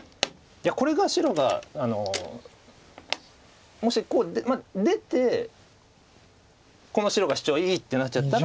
これが白がもしこう出てこの白がシチョウがいいってなっちゃったら。